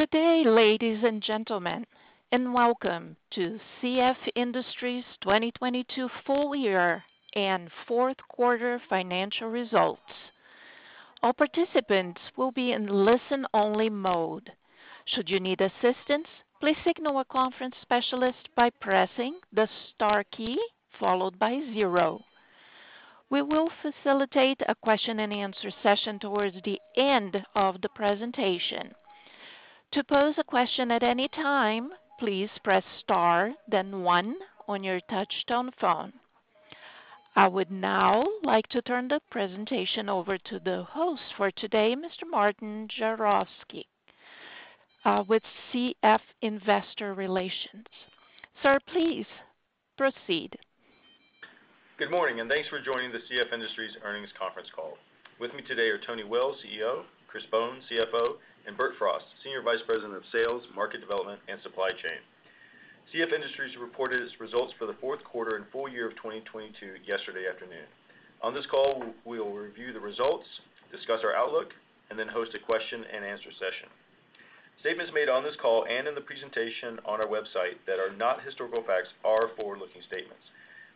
Good day, ladies and gentlemen, and welcome to CF Industries 2022 full year and fourth quarter financial results. All participants will be in listen only mode. Should you need assistance, please signal a conference specialist by pressing the star key followed by zero. We will facilitate a question and answer session towards the end of the presentation. To pose a question at any time, please press star then one on your touchtone phone. I would now like to turn the presentation over to the host for today, Mr. Martin Jarosick, with CF Investor Relations. Sir, please proceed. Good morning, thanks for joining the CF Industries Earnings Conference call. With me today are Tony Will, CEO, Chris Bohn, CFO, and Bert Frost, Senior Vice President of Sales, Market Development, and Supply Chain. CF Industries reported its results for the fourth quarter and full year of 2022 yesterday afternoon. On this call, we will review the results, discuss our outlook, and then host a question and answer session. Statements made on this call and in the presentation on our website that are not historical facts are forward-looking statements.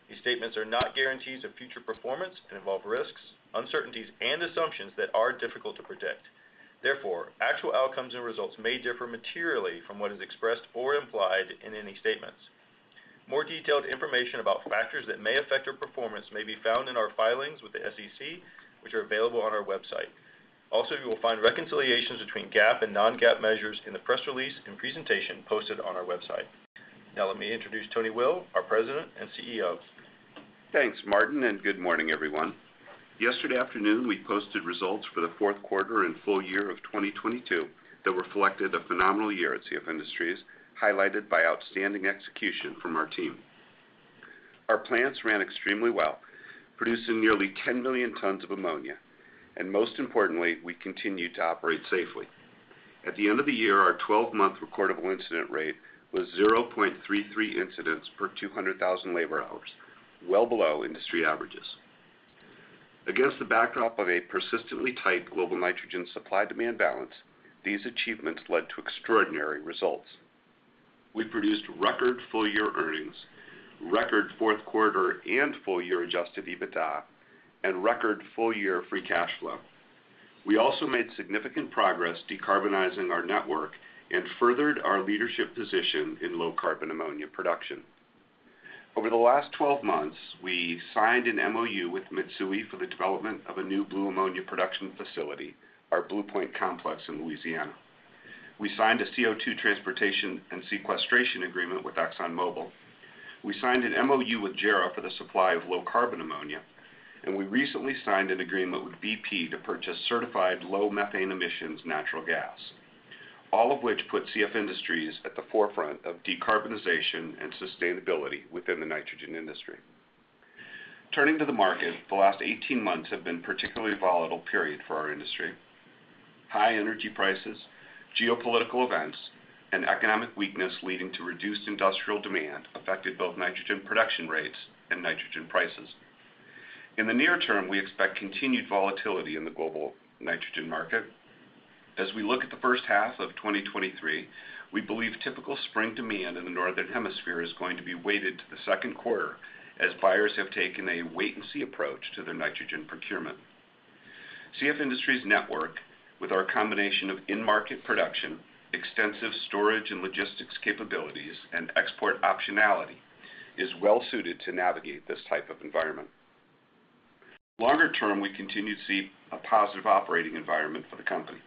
These statements are not guarantees of future performance and involve risks, uncertainties, and assumptions that are difficult to predict. Therefore, actual outcomes and results may differ materially from what is expressed or implied in any statements. More detailed information about factors that may affect our performance may be found in our filings with the SEC, which are available on our website. You will find reconciliations between GAAP and non-GAAP measures in the press release and presentation posted on our website. Let me introduce Tony Will, our President and CEO. Thanks, Martin. Good morning, everyone. Yesterday afternoon, we posted results for the fourth quarter and full year of 2022 that reflected a phenomenal year at CF Industries, highlighted by outstanding execution from our team. Our plants ran extremely well, producing nearly 10 million tons of ammonia, and most importantly, we continued to operate safely. At the end of the year, our 12-month recordable incident rate was 0.33 incidents per 200,000 labor hours, well below industry averages. Against the backdrop of a persistently tight global nitrogen supply-demand balance, these achievements led to extraordinary results. We produced record full-year earnings, record fourth-quarter and full-year adjusted EBITDA, and record full-year free cash flow. We also made significant progress decarbonizing our network and furthered our leadership position in low-carbon ammonia production. Over the last 12 months, we signed an MOU with Mitsui for the development of a new blue ammonia production facility, our Blue Point Complex in Louisiana. We signed a CO2 transportation and sequestration agreement with ExxonMobil. We signed an MOU with JERA for the supply of low-carbon ammonia. We recently signed an agreement with bp to purchase certified low methane emissions natural gas, all of which put CF Industries at the forefront of decarbonization and sustainability within the nitrogen industry. Turning to the market, the last 18 months have been particularly volatile period for our industry. High energy prices, geopolitical events, and economic weakness leading to reduced industrial demand affected both nitrogen production rates and nitrogen prices. In the near term, we expect continued volatility in the global nitrogen market. As we look at the first half of 2023, we believe typical spring demand in the Northern Hemisphere is going to be weighted to the second quarter as buyers have taken a wait-and-see approach to their nitrogen procurement. CF Industries network, with our combination of in-market production, extensive storage and logistics capabilities, and export optionality, is well suited to navigate this type of environment. Longer term, we continue to see a positive operating environment for the company.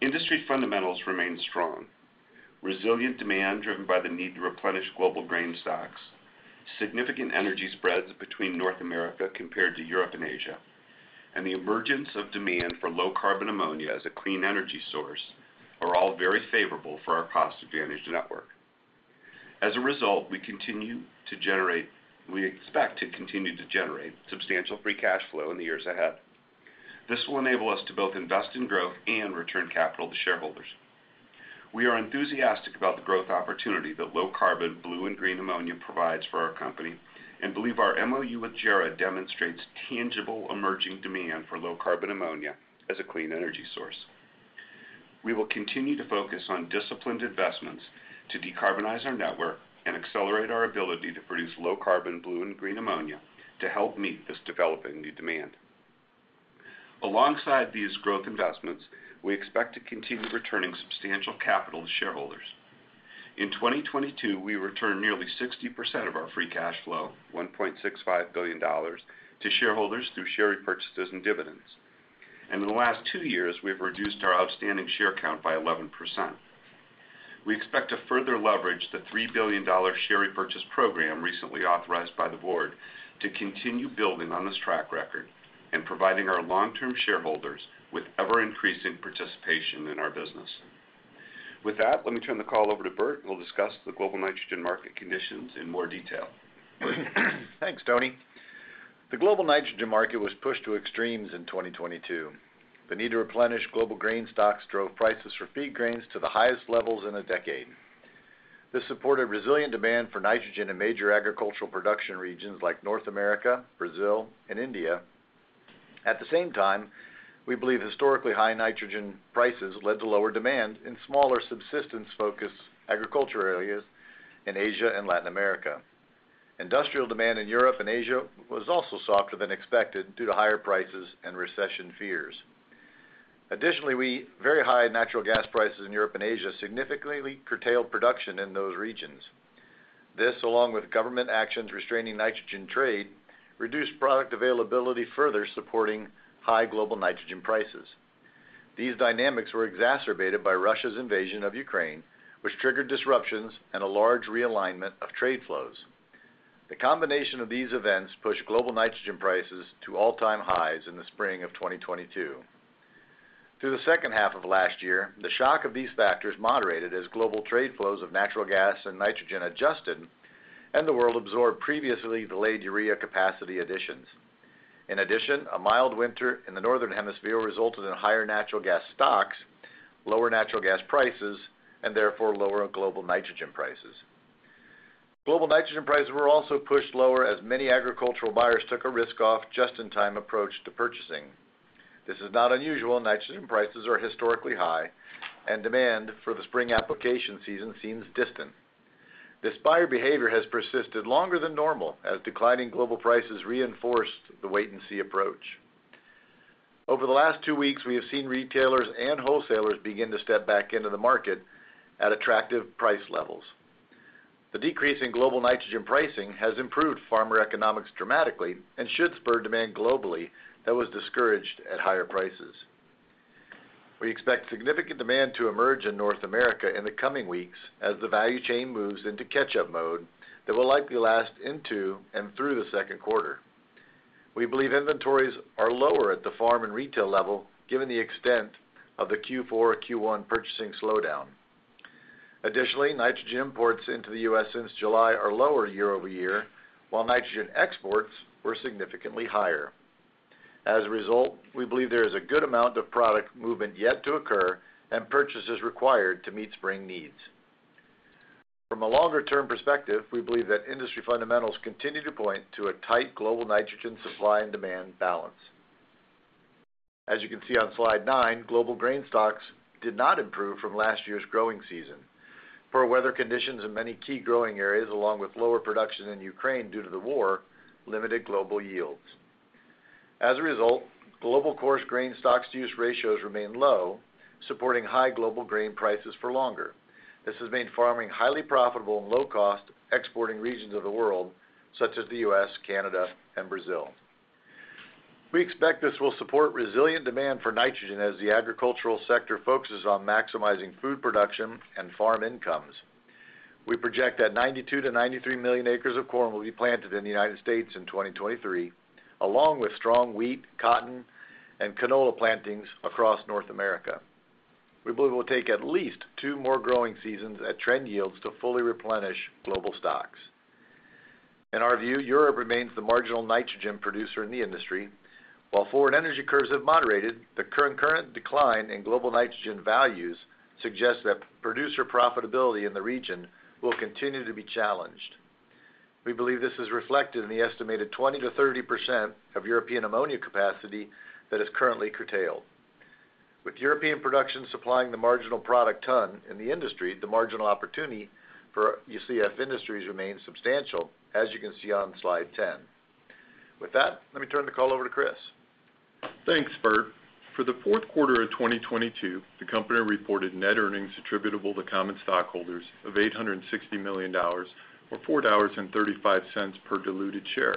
Industry fundamentals remain strong. Resilient demand driven by the need to replenish global grain stocks, significant energy spreads between North America compared to Europe and Asia, and the emergence of demand for low-carbon ammonia as a clean energy source are all very favorable for our cost-advantaged network. We expect to continue to generate substantial free cash flow in the years ahead. This will enable us to both invest in growth and return capital to shareholders. We are enthusiastic about the growth opportunity that low-carbon blue and green ammonia provides for our company and believe our MOU with JERA demonstrates tangible emerging demand for low-carbon ammonia as a clean energy source. We will continue to focus on disciplined investments to decarbonize our network and accelerate our ability to produce low-carbon blue and green ammonia to help meet this developing new demand. Alongside these growth investments, we expect to continue returning substantial capital to shareholders. In 2022, we returned nearly 60% of our free cash flow, $1.65 billion, to shareholders through share repurchases and dividends. In the last two years, we've reduced our outstanding share count by 11%. We expect to further leverage the $3 billion share repurchase program recently authorized by the board to continue building on this track record and providing our long-term shareholders with ever-increasing participation in our business. With that, let me turn the call over to Bert, who will discuss the global nitrogen market conditions in more detail. Bert? Thanks, Tony. The global nitrogen market was pushed to extremes in 2022. The need to replenish global grain stocks drove prices for feed grains to the highest levels in a decade. This supported resilient demand for nitrogen in major agricultural production regions like North America, Brazil, and India. We believe historically high nitrogen prices led to lower demand in smaller subsistence-focused agricultural areas in Asia and Latin America. Industrial demand in Europe and Asia was also softer than expected due to higher prices and recession fears. Very high natural gas prices in Europe and Asia significantly curtailed production in those regions. This, along with government actions restraining nitrogen trade, reduced product availability, further supporting high global nitrogen prices. These dynamics were exacerbated by Russia's invasion of Ukraine, which triggered disruptions and a large realignment of trade flows. The combanation of these events pushed global nitrogen prices to all-time highs in the spring of 2022. Through the second half of last year, the shock of these factors moderated as global trade flows of natural gas and nitrogen adjusted and the world absorbed previously delayed urea capacity additions. In addition, a mild winter in the Northern Hemisphere resulted in higher natural gas stocks, lower natural gas prices, and therefore lower global nitrogen prices. Global nitrogen prices were also pushed lower as many agricultural buyers took a risk-off, just-in-time approach to purchasing. This is not unusual. Nitrogen prices are historically high and demand for the spring application season seems distant. This buyer behavior has persisted longer than normal as declining global prices reinforced the wait-and-see approach. Over the last two weeks, we have seen retailers and wholesalers begin to step back into the market at attractive price levels. The decrease in global nitrogen pricing has improved farmer economics dramatically and should spur demand globally that was discouraged at higher prices. We expect significant demand to emerge in North America in the coming weeks as the value chain moves into catch-up mode that will likely last into and through the second quarter. We believe inventories are lower at the farm and retail level given the extent of the Q4,Q1 purchasing slowdown. Nitrogen imports into the U.S. since July are lower year-over-year, while nitrogen exports were significantly higher. We believe there is a good amount of product movement yet to occur and purchases required to meet spring needs. From a longer-term perspective, we believe that industry fundamentals continue to point to a tight global nitrogen supply and demand balance. As you can see on slide nine, global grain stocks did not improve from last year's growing season. Poor weather conditions in many key growing areas, along with lower production in Ukraine due to the war, limited global yields. As a result, global coarse grain stocks-to-use ratios remain low, supporting high global grain prices for longer. This has made farming highly profitable in low-cost exporting regions of the world, such as the U.S., Canada, and Brazil. We expect this will support resilient demand for nitrogen as the agricultural sector focuses on maximizing food production and farm incomes. We project that 92 million-93 million acres of corn will be planted in the United States in 2023, along with strong wheat, cotton, and canola plantings across North America. We believe it will take at least two more growing seasons at trend yields to fully replenish global stocks. In our view, Europe remains the marginal nitrogen producer in the industry. While forward energy curves have moderated, the current decline in global nitrogen values suggests that producer profitability in the region will continue to be challenged. We believe this is reflected in the estimated 20% to 30% of European ammonia capacity that is currently curtailed. With European production supplying the marginal product ton in the industry, the marginal opportunity for CF Industries remains substantial, as you can see on slide 10. With that, let me turn the call over to Chris. Thanks, Bert. For the fourth quarter of 2022, the company reported net earnings attributable to common stockholders of $860 million, or $4.35 per diluted share.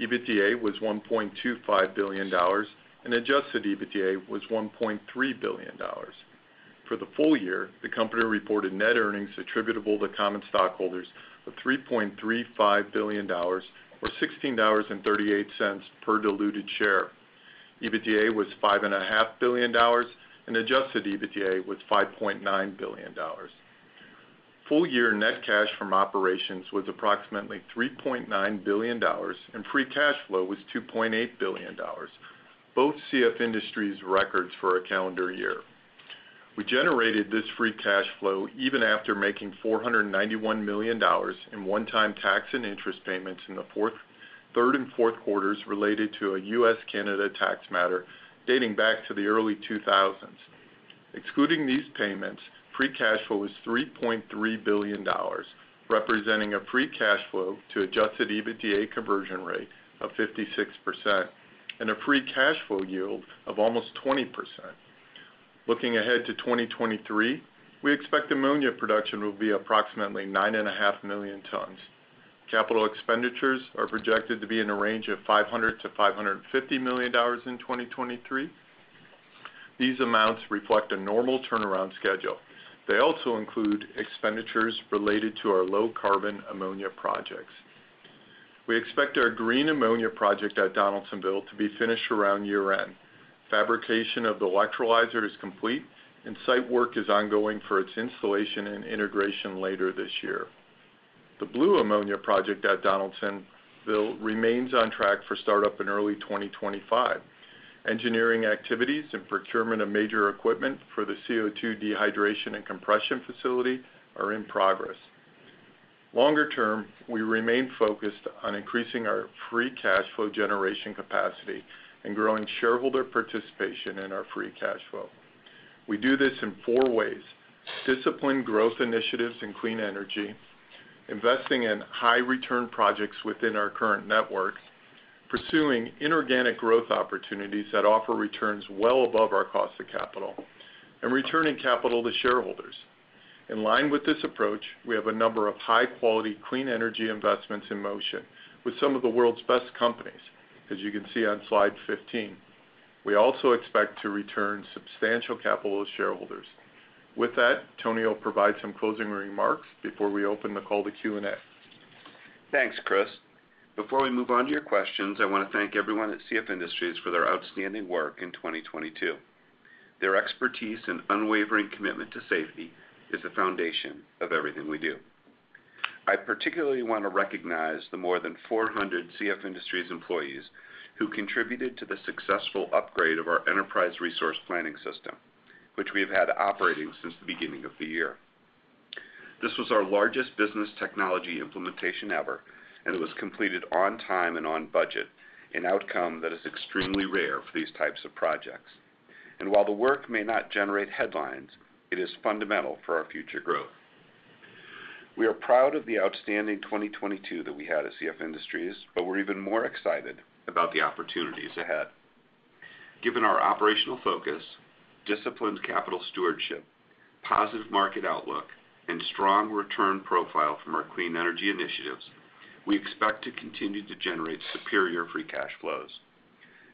EBITDA was $1.25 billion, and adjusted EBITDA was $1.3 billion. For the full year, the company reported net earnings attributable to common stockholders of $3.35 billion or $16.38 per diluted share. EBITDA was $5.5 billion, and adjusted EBITDA was $5.9 billion. Full year net cash from operations was approximately $3.9 billion, and free cash flow was $2.8 billion. Both CF Industries records for a calendar year. We generated this free cash flow even after making $491 million in one-time tax and interest payments in the third and fourth quarters related to a U.S.-Canada tax matter dating back to the early 2000s. Excluding these payments, free cash flow was $3.3 billion, representing a free cash flow to adjusted EBITDA conversion rate of 56% and a free cash flow yield of almost 20%. Looking ahead to 2023, we expect Ammonia production will be approximately 9.5 million tons. Capital expenditures are projected to be in a range of $500 million-$550 million in 2023. These amounts reflect a normal turnaround schedule. They also include expenditures related to our low-carbon Ammonia projects. We expect our green Ammonia project at Donaldsonville to be finished around year-end. Fabrication of the electrolyzer is complete and site work is ongoing for its installation and integration later this year. The blue ammonia project at Donaldsonville remains on track for startup in early 2025. Engineering activities and procurement of major equipment for the CO2 dehydration and compression facility are in progress. Longer term, we remain focused on increasing our free cash flow generation capacity and growing shareholder participation in our free cash flow. We do this in four ways: disciplined growth initiatives in clean energy, investing in high return projects within our current network, pursuing inorganic growth opportunities that offer returns well above our cost of capital, and returning capital to shareholders. In line with this approach, we have a number of high-quality, clean energy investments in motion with some of the world's best companies, as you can see on slide 15. We also expect to return substantial capital to shareholders. With that, Tony Will provide some closing remarks before we open the call to Q and A. Thanks, Chris. Before we move on to your questions, I want to thank everyone at CF Industries for their outstanding work in 2022. Their expertise and unwavering commitment to safety is the foundation of everything we do. I particularly want to recognize the more than 400 CF Industries employees who contributed to the successful upgrade of our enterprise resource planning system, which we have had operating since the beginning of the year. This was our largest business technology implementation ever, and it was completed on time and on budget, an outcome that is extremely rare for these types of projects. While the work may not generate headlines, it is fundamental for our future growth. We are proud of the outstanding 2022 that we had at CF Industries, we're even more excited about the opportunities ahead. Given our operational focus, disciplined capital stewardship, positive market outlook, and strong return profile from our clean energy initiatives, we expect to continue to generate superior free cash flows.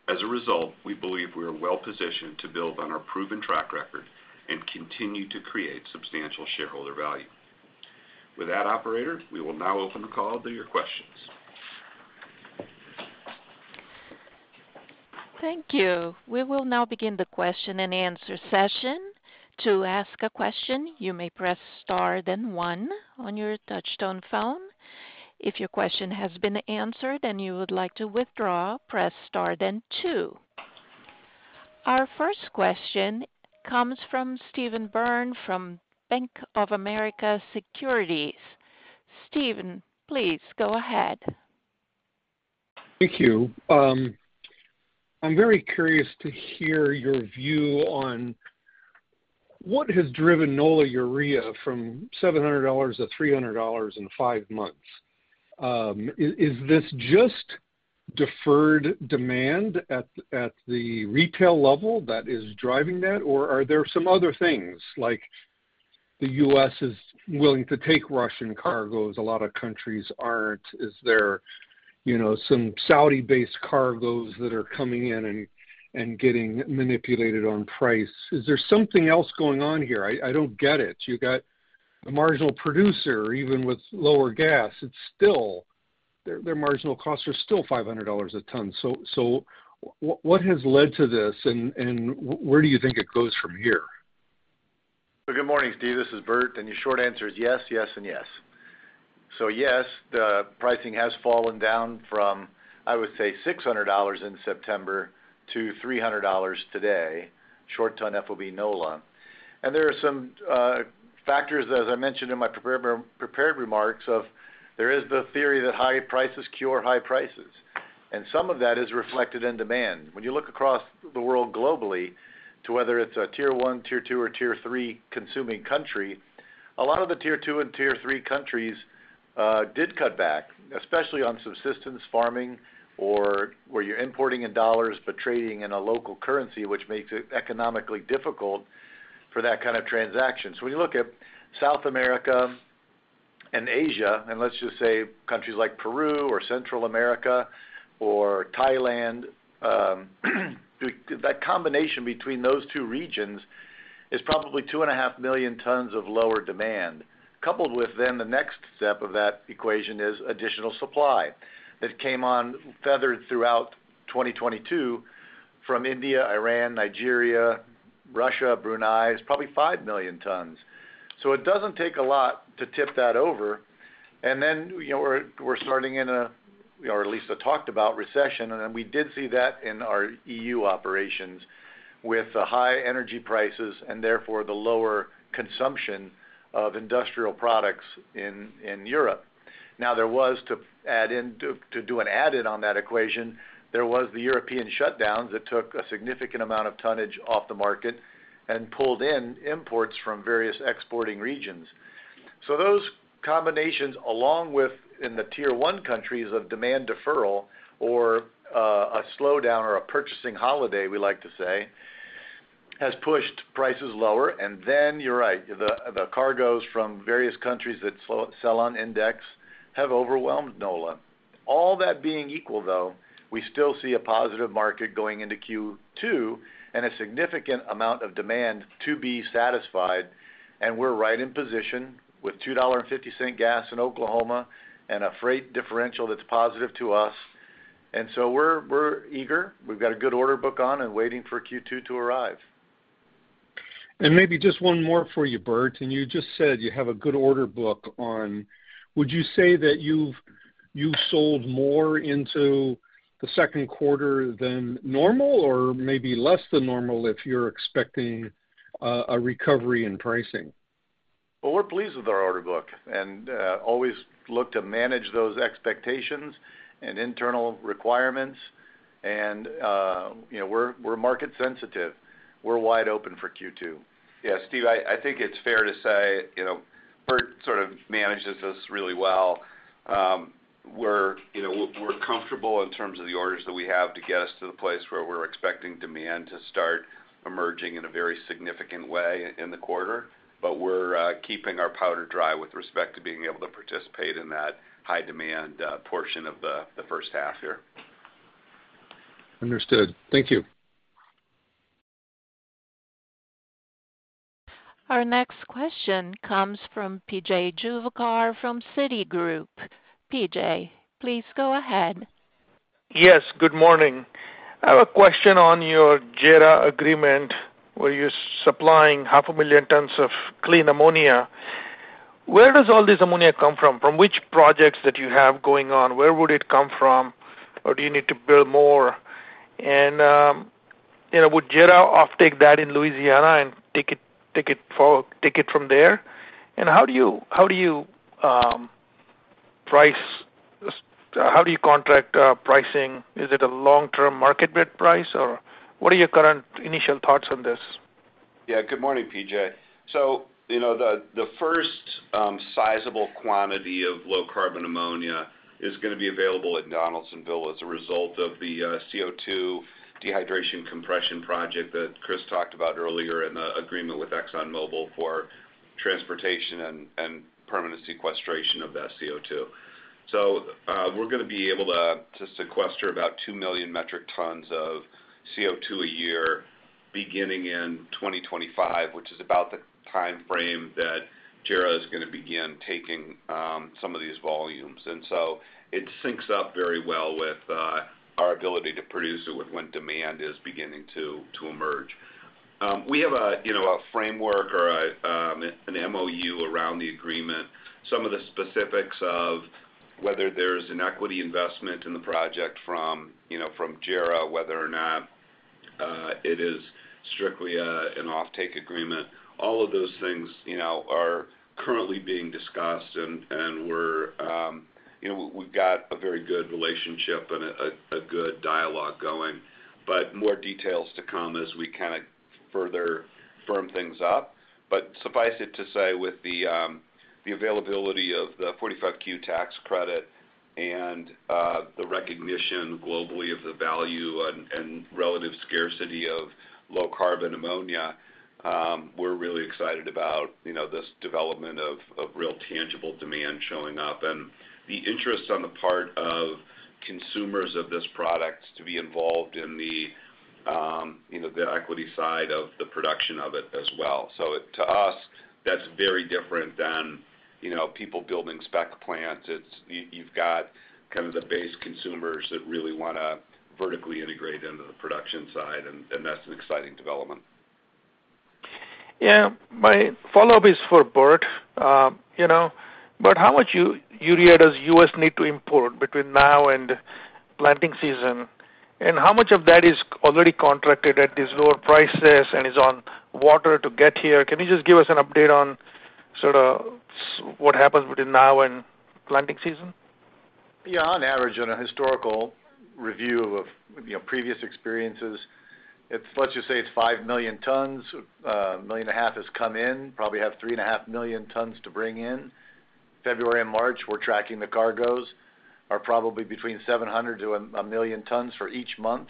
As a result, we believe we are well-positioned to build on our proven track record and continue to create substantial shareholder value. With that, operator, we will now open the call to your questions. Thank you. We will now begin the question-and-answer session. To ask a question, you may press star then one on your touchtone phone. If your question has been answered and you would like to withdraw, press star then two. Our first question comes from Stephen Byrne from Bank of America Securities. Stephen, please go ahead. Thank you. I'm very curious to hear your view on what has driven Nola urea from $700 to $300 in five months. Is this just deferred demand at the retail level that is driving that? Are there some other things like the U.S. is willing to take Russian cargoes, a lot of countries aren't. Is there, you know, some Saudi-based cargoes that are coming in and getting manipulated on price? Is there something else going on here? I don't get it. You got a marginal producer, even with lower gas, it's still their marginal costs are still $500 a ton. What has led to this and where do you think it goes from here? Good morning, Steve. This is Bert, and the short answer is yes and yes. Yes, the pricing has fallen down from, I would say, $600 in September to $300 today, short ton FOB Nola. There are some factors, as I mentioned in my prepared remarks, of there is the theory that high prices cure high prices. Some of that is reflected in demand. When you look across the world globally to whether it's a Tier One, Tier Two, or Tier Three consuming country, a lot of the Tier Two and Tier Three countries did cut back, especially on subsistence farming or where you're importing in dollars but trading in a local currency, which makes it economically difficult for that kind of transaction. When you look at South America and Asia, and let's just say countries like Peru or Central America or Thailand, that combination between those two regions is probably 2.5 million tons of lower demand. Coupled with then the next step of that equation is additional supply that came on feathered throughout 2022 from India, Iran, Nigeria, Russia, Brunei. It's probably 5 million tons. It doesn't take a lot to tip that over. Then, you know, we're starting in a, or at least a talked about recession, and we did see that in our EU operations with the high energy prices and therefore the lower consumption of industrial products in Europe. There was to do an add-in on that equation, there was the European shutdowns that took a significant amount of tonnage off the market and pulled in imports from various exporting regions. Those combinations, along with in the Tier One countries of demand deferral or a slowdown or a purchasing holiday, we like to say, has pushed prices lower. You're right, the cargoes from various countries that sell on index have overwhelmed Nola. All that being equal, though, we still see a positive market going into Q2 and a significant amount of demand to be satisfied. We're right in position with $2.50 gas in Oklahoma and a freight differential that's positive to us. We're eager. We've got a good order book on and waiting for Q2 to arrive. Maybe just one more for you, Bert. You just said you have a good order book on. Would you say that you've sold more into the second quarter than normal or maybe less than normal if you're expecting a recovery in pricing? We're pleased with our order book and always look to manage those expectations and internal requirements and, you know, we're market sensitive. We're wide open for Q2. Yeah, Steve, I think it's fair to say, you know, Bert sort of manages this really well. We're comfortable in terms of the orders that we have to get us to the place where we're expecting demand to start emerging in a very significant way in the quarter. We're keeping our powder dry with respect to being able to participate in that high demand portion of the first half here. Understood. Thank you. Our next question comes from P.J. Juvekar from Citigroup. PJ, please go ahead. Yes, good morning. I have a question on your JERA agreement, where you're supplying 500,000 tons of clean ammonia. Where does all this ammonia come from? From which projects that you have going on, where would it come from? Or do you need to build more? You know, would JERA offtake that in Louisiana and take it from there? How do you contract pricing? Is it a long-term market bid price or what are your current initial thoughts on this? Yeah. Good morning, PJ. You know, the first sizable quantity of low-carbon ammonia is gonna be available at Donaldsonville as a result of the CO2 dehydration compression project that Chris talked about earlier in the agreement with ExxonMobil for transportation and permanent sequestration of that CO2. We're gonna be able to sequester about 2 million metric tons of CO2 a year beginning in 2025, which is about the timeframe that JERA is gonna begin taking some of these volumes. It syncs up very well with our ability to produce it with when demand is beginning to emerge. We have a, you know, a framework or an MOU around the agreement. Some of the specifics of whether there's an equity investment in the project from, you know, from JERA, whether or not it is strictly an offtake agreement. All of those things, you know, are currently being discussed and we're, you know, we've got a very good relationship and a good dialogue going. More details to come as we kinda further firm things up. Suffice it to say, with the availability of the 45Q tax credit and the recognition globally of the value and relative scarcity of low-carbon ammonia, we're really excited about, you know, this development of real tangible demand showing up. The interest on the part of consumers of this product to be involved in the, you know, the equity side of the production of it as well. To us, that's very different than, you know, people building spec plants. You've got kind of the base consumers that really wanna vertically integrate into the production side, and that's an exciting development. Yeah. My follow-up is for Bert. you know, Bert, how much urea does U.S. need to import between now and planting season? How much of that is already contracted at these lower prices and is on water to get here? Can you just give us an update on sorta what happens between now and planting season? Yeah. On average, on a historical review of, you know, previous experiences, let's just say it's 5 million tons. 1.5 million has come in, probably have 3.5 million tons to bring in. February and March, we're tracking the cargoes, are probably between 700 to 1 million tons for each month.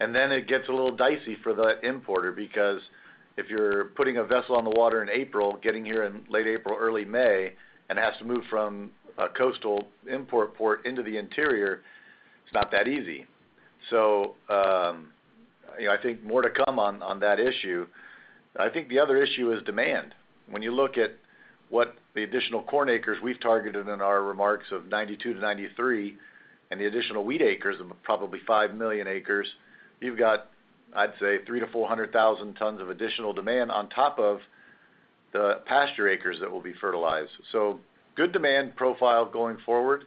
It gets a little dicey for the importer because if you're putting a vessel on the water in April, getting here in late April, early May, and has to move from a coastal import port into the interior, it's not that easy. You know, I think more to come on that issue. I think the other issue is demand. When you look at what the additional corn acres we've targeted in our remarks of 92-93 and the additional wheat acres of probably 5 million acres, you've got, I'd say, 300,000-400,000 tons of additional demand on top of the pasture acres that will be fertilized. Good demand profile going forward.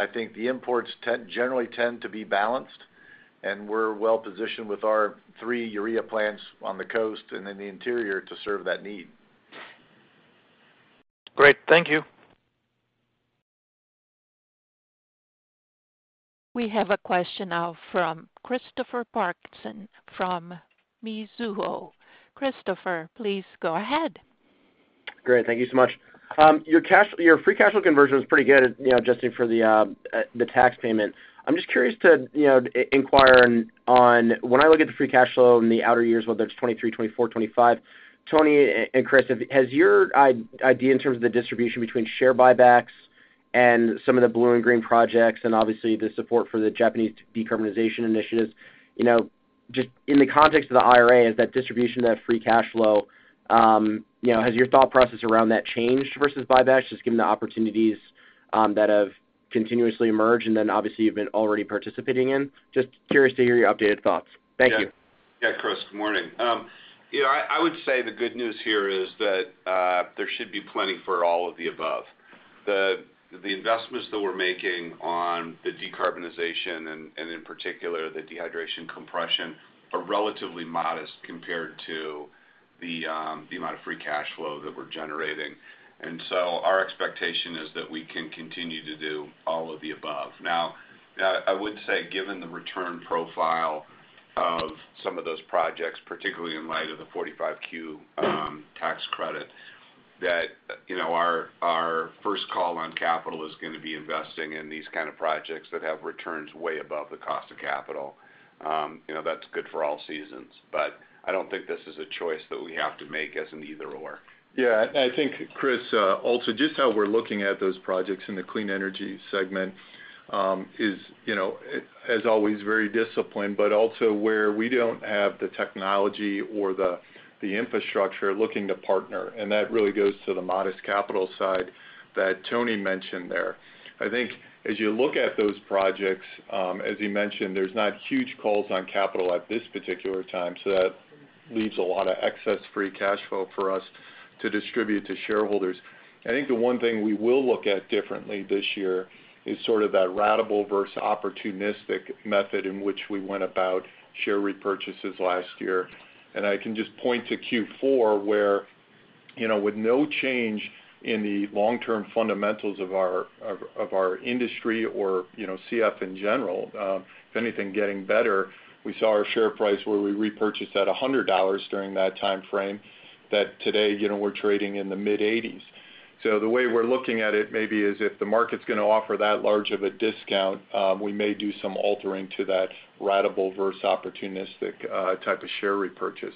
I think the imports generally tend to be balanced, and we're well-positioned with our 3 urea plants on the coast and in the interior to serve that need. Great. Thank you. We have a question now from Christopher Parkinson from Mizuho. Christopher, please go ahead. Great. Thank you so much. Your free cash flow conversion is pretty good, you know, adjusting for the tax payment. I'm just curious to, you know, inquire on when I look at the free cash flow in the outer years, whether it's 2023, 2024, 2025. Tony and Chris, has your idea in terms of the distribution between share buybacks and some of the blue and green projects and obviously the support for the Japanese decarbonization initiatives, you know, just in the context of the IRA, is that distribution of that free cash flow, you know, has your thought process around that changed versus buybacks, just given the opportunities that have continuously emerged and then obviously you've been already participating in? Just curious to hear your updated thoughts. Thank you. Yeah. Yeah, Chris, good morning. You know, I would say the good news here is that there should be plenty for all of the above. The investments that we're making on the decarbonization and in particular, the dehydration compression are relatively modest compared to the amount of free cash flow that we're generating. Our expectation is that we can continue to do all of the above. Now, I would say, given the return profile of some of those projects, particularly in light of the Section 45Q tax credit, that, you know, our first call on capital is gonna be investing in these kind of projects that have returns way above the cost of capital. You know, that's good for all seasons. I don't think this is a choice that we have to make as an either/or. Yeah. I think, Chris, also just how we're looking at those projects in the clean energy segment, is, you know, as always, very disciplined, but also where we don't have the technology or the infrastructure looking to partner, and that really goes to the modest capital side that Tony mentioned there. I think as you look at those projects, as he mentioned, there's not huge calls on capital at this particular time, so that leaves a lot of excess free cash flow for us to distribute to shareholders. I think the one thing we will look at differently this year is sort of that ratable versus opportunistic method in which we went about share repurchases last year. I can just point to Q4, where, you know, with no change in the long-term fundamentals of our industry or, you know, CF in general, if anything, getting better, we saw our share price where we repurchased at $100 during that timeframe. That today, you know, we're trading in the mid-$80s. The way we're looking at it maybe is if the market's gonna offer that large of a discount, we may do some altering to that ratable versus opportunistic type of share repurchase.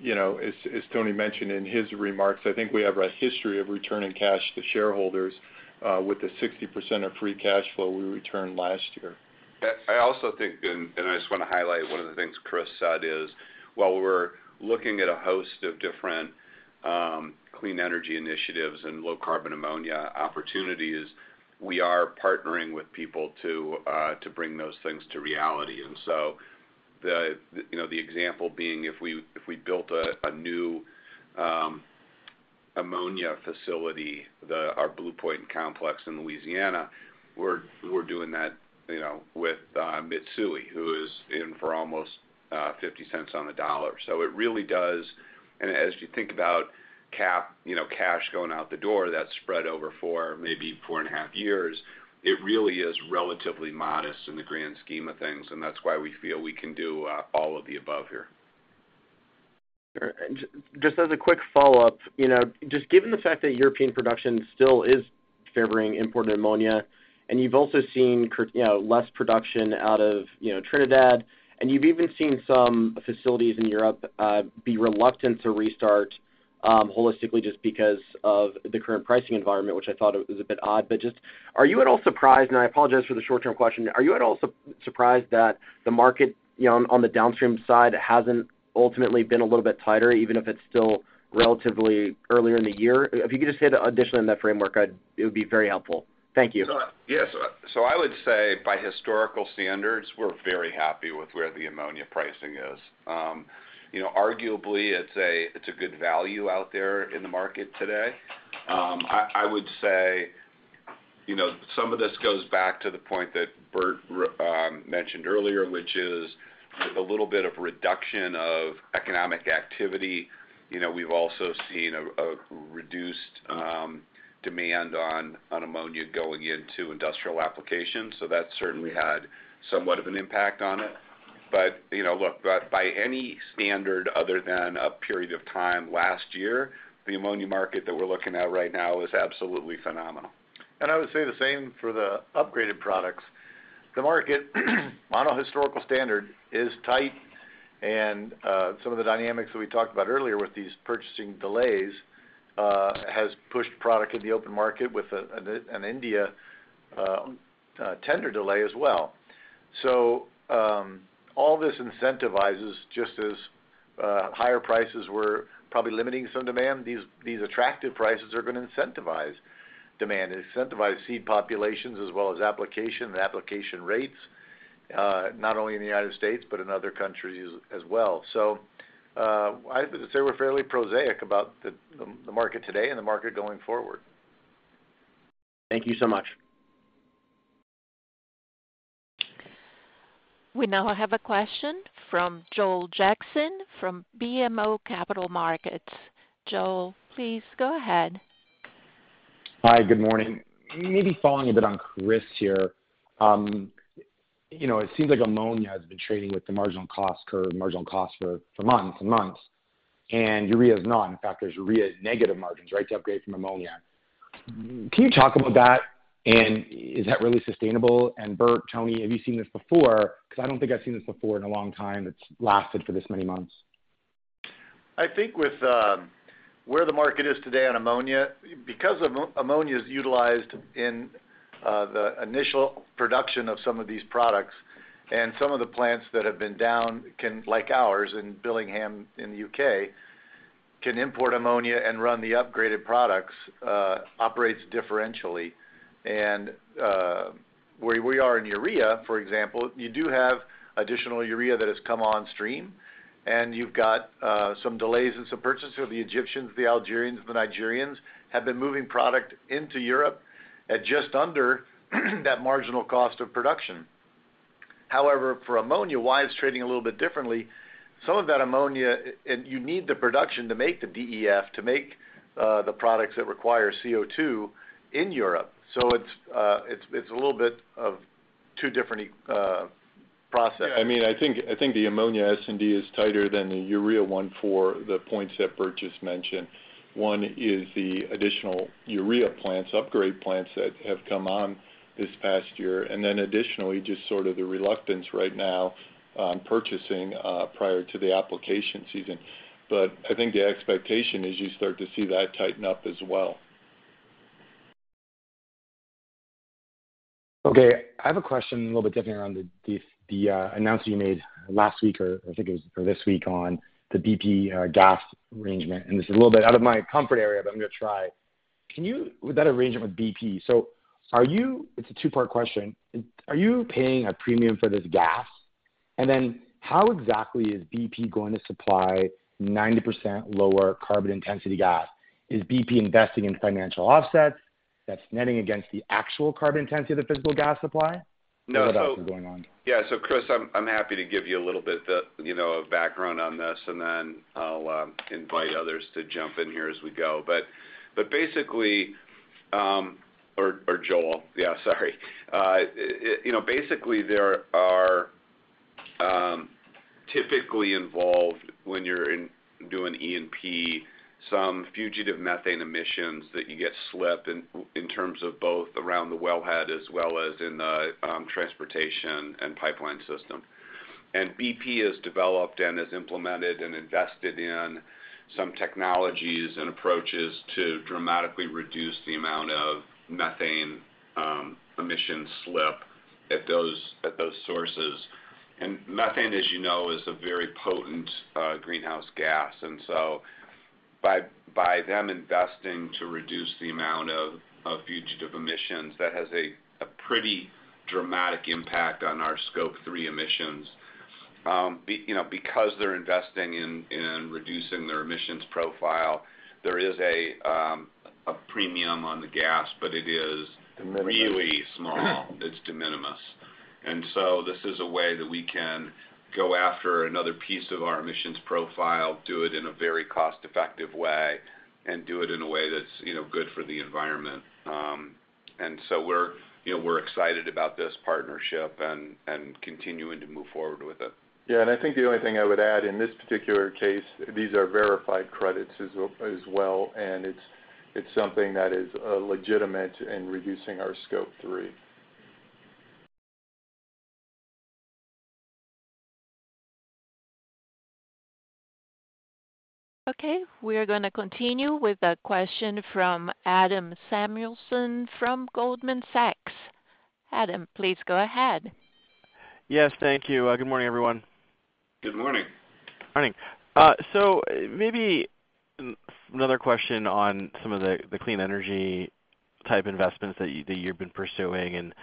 You know, as Tony mentioned in his remarks, I think we have a history of returning cash to shareholders, with the 60% of free cash flow we returned last year. Yeah. I also think, and I just wanna highlight one of the things Chris said, is while we're looking at a host of different clean energy initiatives and low-carbon ammonia opportunities, we are partnering with people to bring those things to reality. The example being, if we built a new ammonia facility, our Blue Point complex in Louisiana, we're doing that, you know, with Mitsui, who is in for almost $0.50 on the dollar. It really does. As you think about cap, you know, cash going out the door, that's spread over four, maybe 4.5 years, it really is relatively modest in the grand scheme of things, and that's why we feel we can do all of the above here. Sure. Just as a quick follow-up, you know, just given the fact that European production still is favoring imported ammonia, and you've also seen, you know, less production out of, you know, Trinidad, and you've even seen some facilities in Europe be reluctant to restart holistically just because of the current pricing environment, which I thought it was a bit odd. Just are you at all surprised, and I apologize for the short-term question, are you at all surprised that the market, you know, on the downstream side hasn't ultimately been a little bit tighter, even if it's still relatively earlier in the year? If you could just hit additionally in that framework, it would be very helpful. Thank you. Yes. I would say by historical standards, we're very happy with where the ammonia pricing is. You know, arguably, it's a, it's a good value out there in the market today. I would say, you know, some of this goes back to the point that Bert mentioned earlier, which is a little bit of reduction of economic activity. You know, we've also seen a reduced demand on ammonia going into industrial applications, so that certainly had somewhat of an impact on it. You know, look, by any standard other than a period of time last year, the ammonia market that we're looking at right now is absolutely phenomenal. I would say the same for the upgraded products. The market, on a historical standard, is tight, and some of the dynamics that we talked about earlier with these purchasing delays has pushed product in the open market with an India tender delay as well. All this incentivizes, just as higher prices were probably limiting some demand, these attractive prices are gonna incentivize demand. It incentivize seed populations as well as application and application rates, not only in the United States, but in other countries as well. I'd say we're fairly prosaic about the market today and the market going forward. Thank you so much. We now have a question from Joel Jackson from BMO Capital Markets. Joel, please go ahead. Hi. Good morning. Maybe following a bit on Chris here. You know, it seems like ammonia has been trading with the marginal cost curve, marginal cost for months and months, and urea's not. In fact, there's urea negative margins, right, to upgrade from ammonia. Can you talk about that? Is that really sustainable? Bert, Tony, have you seen this before? 'Cause I don't think I've seen this before in a long time that's lasted for this many months. I think with where the market is today on ammonia, because ammonia is utilized in the initial production of some of these products and some of the plants that have been down can like ours in Billingham in the U.K., can import ammonia and run the upgraded products, operates differentially. Where we are in urea, for example, you do have additional urea that has come on stream, and you've got some delays in some purchases. The Egyptians, the Algerians, the Nigerians have been moving product into Europe at just under that marginal cost of production. However, for ammonia, why it's trading a little bit differently, some of that ammonia. You need the production to make the DEF, to make the products that require CO2 in Europe. It's, it's a little bit of two different processes. I mean, I think the Ammonia S&D is tighter than the Urea one for the points that Bert just mentioned. One is the additional Urea plants, upgrade plants that have come on this past year. Additionally, just sort of the reluctance right now on purchasing prior to the application season. I think the expectation is you start to see that tighten up as well. Okay. I have a question a little bit different around the announcement you made last week, or I think it was this week, on the bp gas arrangement. This is a little bit out of my comfort area, but I'm gonna try. With that arrangement with BP, are you... It's a two-part question. Are you paying a premium for this gas? How exactly is bp going to supply 90% lower carbon intensity gas? Is BP investing in financial offsets that's netting against the actual carbon intensity of the physical gas supply? What else is going on? Yeah. Chris, I'm happy to give you a little bit, the, you know, background on this, and then I'll invite others to jump in here as we go. Basically, or Joel, yeah, sorry. You know, basically there are typically involved when you're doing E&P some fugitive methane emissions that you get slipped in terms of both around the wellhead as well as in the transportation and pipeline system. BP has developed and has implemented and invested in some technologies and approaches to dramatically reduce the amount of methane emission slip at those sources. Methane, as you know, is a very potent greenhouse gas. So by them investing to reduce the amount of fugitive emissions, that has a pretty dramatic impact on our Scope Three emissions. You know, because they're investing in reducing their emissions profile, there is a premium on the gas. De minimis. really small. It's de minimis. This is a way that we can go after another piece of our emissions profile, do it in a very cost-effective way, and do it in a way that's, you know, good for the environment. We're, you know, we're excited about this partnership and continuing to move forward with it. Yeah. I think the only thing I would add in this particular case, these are verified credits as well. It's something that is legitimate in reducing our Scope Three. Okay. We are gonna continue with a question from Adam Samuelson from Goldman Sachs. Adam, please go ahead. Yes, thank you. Good morning, everyone. Good morning. Morning. Maybe another question on some of the clean energy type investments that you've been pursuing and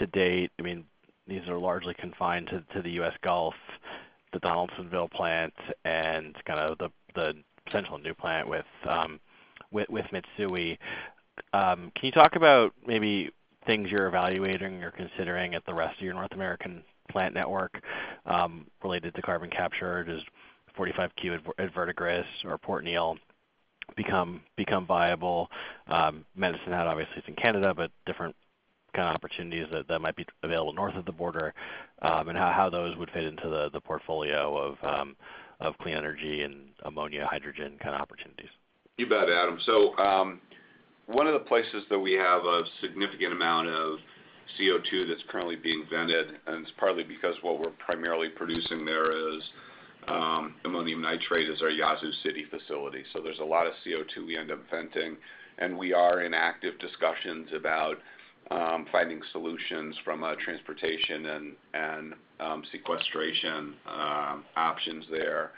to date. I mean, these are largely confined to the U.S. Gulf, the Donaldsonville plant, and kind of the central new plant with Mitsui. Can you talk about maybe things you're evaluating or considering at the rest of your North American plant network, related to carbon capture? Does 45Q at Verdigris or Port Neal become viable? Medicine Hat obviously is in Canada. Different kind of opportunities that might be available north of the border, and how those would fit into the portfolio of clean energy and ammonia, hydrogen kind of opportunities. You bet, Adam. One of the places that we have a significant amount of CO2 that's currently being vented, and it's partly because what we're primarily producing there is Ammonium Nitrate is our Yazoo City facility. There's a lot of CO2 we end up venting, and we are in active discussions about finding solutions from a transportation and sequestration options there.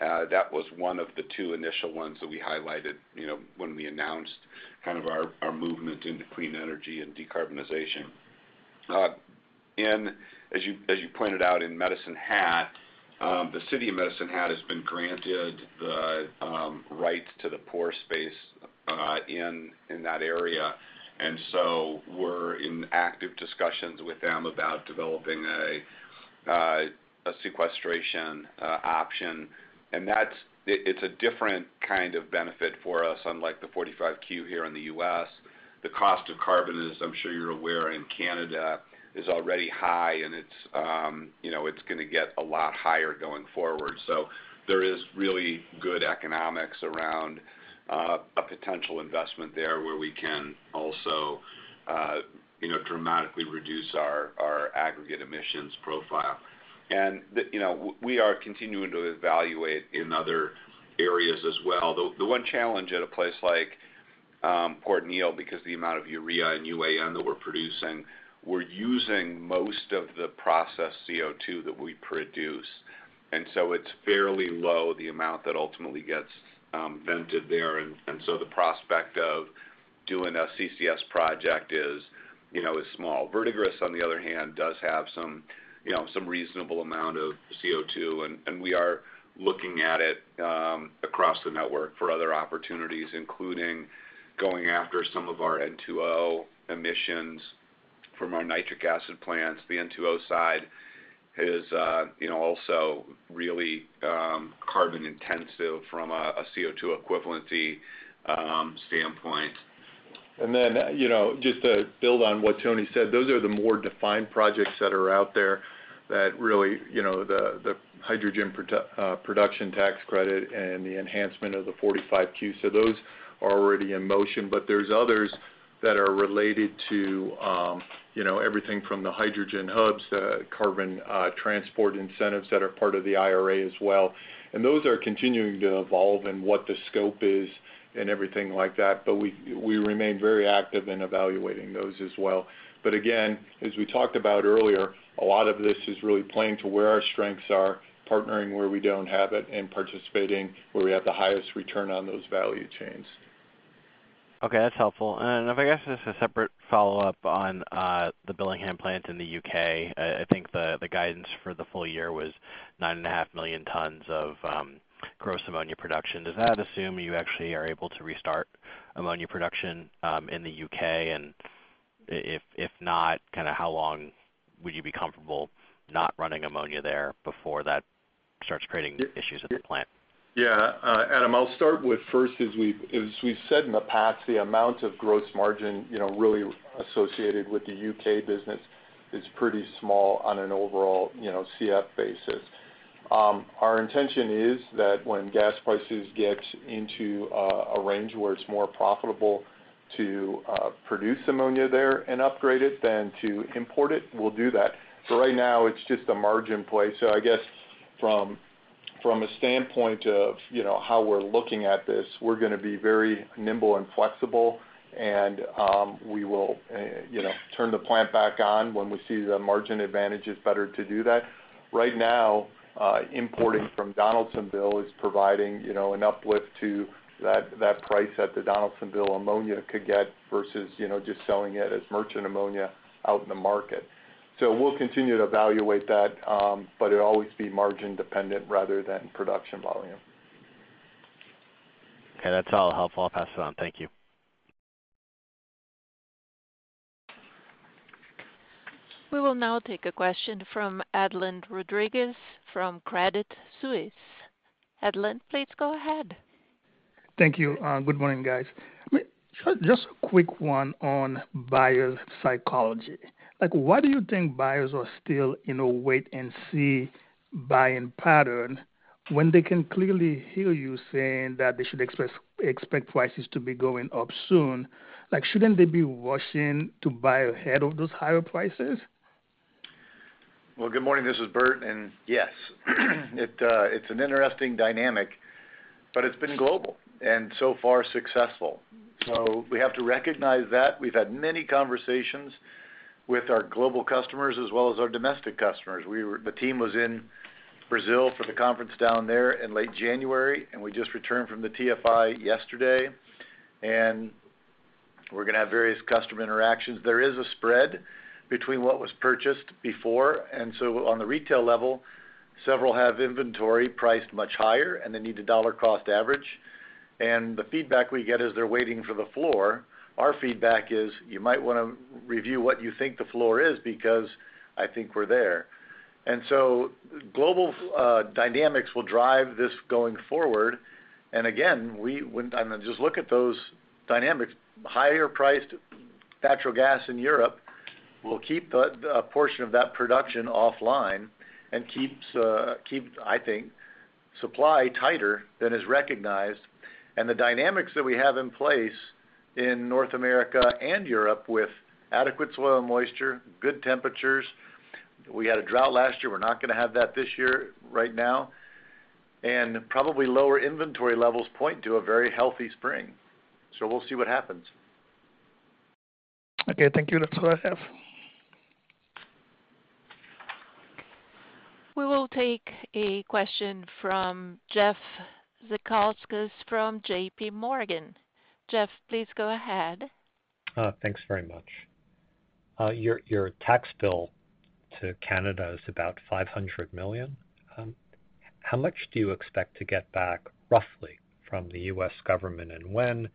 That was one of the two initial ones that we highlighted, you know, when we announced kind of our movement into clean energy and decarbonization. As you, as you pointed out in Medicine Hat, the City of Medicine Hat has been granted the rights to the pore space in that area. We're in active discussions with them about developing a sequestration option. It's a different kind of benefit for us, unlike the Section 45Q here in the U.S. The cost of carbon is, I'm sure you're aware, in Canada is already high and it's, you know, it's gonna get a lot higher going forward. There is really good economics around a potential investment there where we can also, you know, dramatically reduce our aggregate emissions profile. The, you know, we are continuing to evaluate in other areas as well. The one challenge at a place like. Port Neal, because the amount of urea and UAN that we're producing, we're using most of the process CO2 that we produce. It's fairly low, the amount that ultimately gets vented there. The prospect of doing a CCS project is, you know, is small. Verdigris, on the other hand, does have some, you know, some reasonable amount of CO2, and we are looking at it across the network for other opportunities, including going after some of our N2O emissions from our Nitric Acid plants. The N2O side is, you know, also really carbon intensive from a CO2 equivalency standpoint. You know, just to build on what Tony said, those are the more defined projects that are out there that really, you know, the Hydrogen Production Tax Credit and the enhancement of the 45Q. Those are already in motion, but there's others that are related to, you know, everything from the hydrogen hubs, the carbon transport incentives that are part of the IRA as well. Those are continuing to evolve and what the scope is and everything like that. We remain very active in evaluating those as well. Again, as we talked about earlier, a lot of this is really playing to where our strengths are, partnering where we don't have it, and participating where we have the highest return on those value chains. Okay, that's helpful. If I guess just a separate follow-up on the Billingham plant in the U.K.? I think the guidance for the full year was 9.5 million tons of gross ammonia production. Does that assume you actually are able to restart ammonia production in the U.K.? If not, kind of how long would you be comfortable not running ammonia there before that starts creating issues at the plant? Yeah. Adam, I'll start with first, as we, as we've said in the past, the amount of gross margin, you know, really associated with the U.K. business is pretty small on an overall, you know, CF basis. Our intention is that when gas prices get into a range where it's more profitable to produce ammonia there and upgrade it than to import it, we'll do that. Right now, it's just a margin play. I guess from a standpoint of, you know, how we're looking at this, we're gonna be very nimble and flexible, and we will, you know, turn the plant back on when we see the margin advantage is better to do that. Right now, importing from Donaldsonville is providing, you know, an uplift to that price that the Donaldsonville ammonia could get versus, you know, just selling it as merchant ammonia out in the market. We'll continue to evaluate that, but it'll always be margin dependent rather than production volume. Okay, that's all helpful. I'll pass it on. Thank you. We will now take a question from Edlain Rodriguez from Credit Suisse. Edlain, please go ahead. Thank you. Good morning, guys. Just a quick one on buyer psychology. Like, why do you think buyers are still in a wait-and-see buying pattern when they can clearly hear you saying that they should expect prices to be going up soon? Like, shouldn't they be rushing to buy ahead of those higher prices? Well, good morning. This is Bert. Yes, it's an interesting dynamic, but it's been global and so far successful. We have to recognize that. We've had many conversations with our global customers as well as our domestic customers. The team was in Brazil for the conference down there in late January, and we just returned from the TFI yesterday. We're gonna have various customer interactions. There is a spread between what was purchased before. On the retail level, several have inventory priced much higher, and they need to dollar cost average. The feedback we get is they're waiting for the floor. Our feedback is, you might wanna review what you think the floor is because I think we're there. Global dynamics will drive this going forward. Again, I mean, just look at those dynamics. Higher-priced natural gas in Europe will keep a portion of that production offline and keeps, I think, supply tighter than is recognized. The dynamics that we have in place in North America and Europe with adequate soil moisture, good temperatures. We had a drought last year. We're not gonna have that this year right now. Probably lower inventory levels point to a very healthy spring. We'll see what happens. Okay. Thank you. That's all I have. We will take a question from Jeff Zekauskas from J.P. Morgan. Jeff, please go ahead. Thanks very much. Your tax bill to Canada is about $500 million. How much do you expect to get back roughly from the U.S. government, and when?